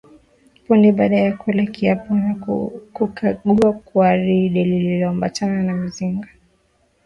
Punde baada ya kula kiapo na kukagua gwaride lililoambatana na mizinga